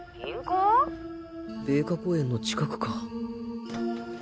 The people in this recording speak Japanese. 米花公園の近くか